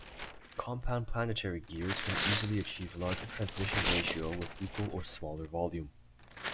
Compound planetary gears can easily achieve larger transmission ratio with equal or smaller volume.